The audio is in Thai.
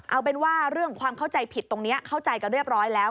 เอาเป็นว่าเรื่องความเข้าใจผิดตรงนี้เข้าใจกันเรียบร้อยแล้ว